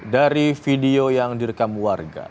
dari video yang direkam warga